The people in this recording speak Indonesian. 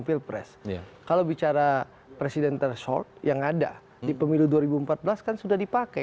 pilpres kalau bicara presidential short yang ada di pemilu dua ribu empat belas kan sudah dipakai